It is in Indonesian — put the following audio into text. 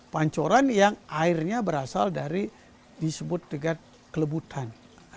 pancoran yang airnya berasal dari disebut dengan kelebutan